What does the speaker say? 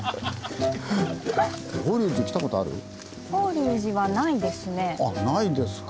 法隆寺はないですね。